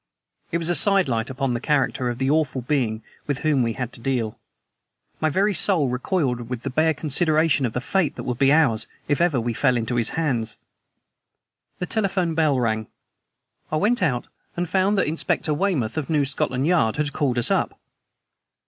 It was a sidelight upon the character of the awful being with whom we had to deal. My very soul recoiled from bare consideration of the fate that would be ours if ever we fell into his hands. The telephone bell rang. I went out and found that Inspector Weymouth of New Scotland Yard had called us up.